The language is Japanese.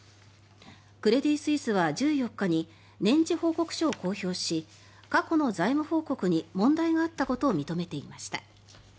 クレディ・スイスは１４日に年次報告書を公表し過去の財務報告に問題があったことを認めていました。